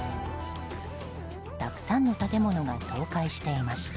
たくさんの建物が倒壊していました。